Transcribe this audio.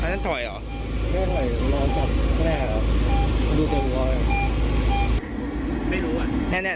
นั่นถอยเหรอ